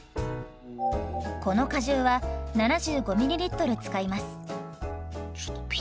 この果汁は７５ｍｌ使います。